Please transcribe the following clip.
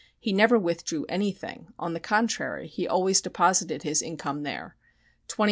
He never withdrew anything; on the contrary, he always deposited his income there 25,000,000.